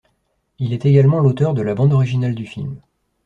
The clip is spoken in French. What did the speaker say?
Il est également l'auteur de la bande originale du film.